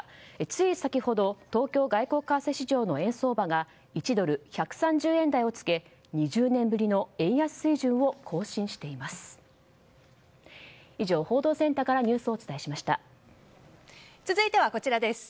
つい先ほど東京外国為替市場の円相場が１ドル＝１３０円台をつけ２０年ぶりの円安水準を更新しています。